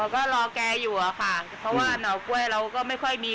ก็รอแกอยู่อะค่ะเพราะว่าหนอกล้วยเราก็ไม่ค่อยมี